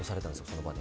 その場で。